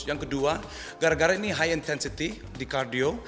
yang kedua gara gara ini high intensity di cardio